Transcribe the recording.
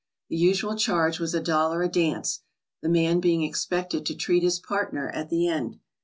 The usual charge was a dollar a dance, the man being expected to treat his partner at the end.